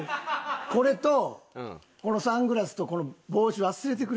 これとこのサングラスとこの帽子忘れてくれ。